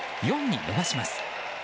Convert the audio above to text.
４に伸ばします。